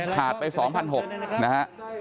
ขาดไปสองพันหกนะฮะ